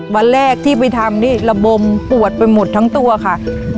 วันแรกที่ไปทำนี่ระบมปวดไปหมดทั้งตัวค่ะ